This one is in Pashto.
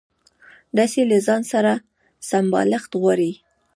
رسۍ له ځان سره سمبالښت غواړي.